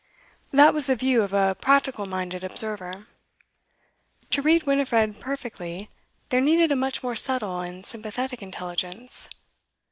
That was the view of a practical minded observer. To read Winifred perfectly, there needed a much more subtle and sympathetic intelligence.